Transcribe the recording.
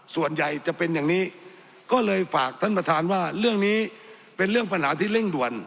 ส่วนใหญ่จะเป็นอย่างนี้ก็เลยฝากท่านประธานว่าเรื่องนี้เป็นเรื่องปัญหาที่เร่งด่วน